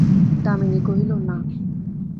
দামিনী কহিল, না।